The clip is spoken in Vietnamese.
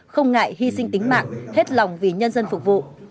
không ngại hy sinh tính mạng hết lòng vì nhân dân phục vụ